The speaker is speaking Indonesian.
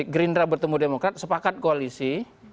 gerindra bertemu demokrat sepakat koalisi